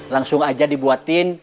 langsung aja dibuatin